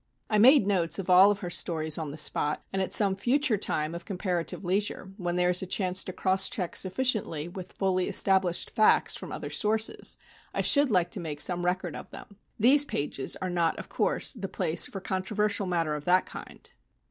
I made notes of all of her stories on the spot, and at some future time of comparative leisure, when there is a chance to cross check sufficiently with fully established facts from other sources, I should like to make some record of them. These pages are not, of course, the place for controversial matter of that kind.